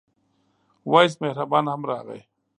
وېس مهربان هم راغی.